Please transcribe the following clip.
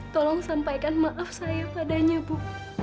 tolong sampaikan maaf saya padanya bu